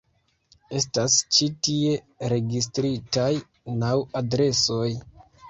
Estas ĉi tie registritaj naŭ adresoj.